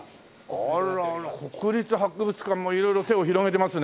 あっあらあら国立博物館も色々手を広げてますねえ。